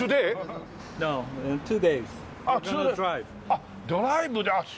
あっドライブで。